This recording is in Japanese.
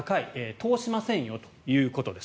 通しませんよということです。